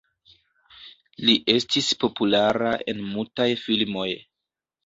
Li estis populara en mutaj filmoj.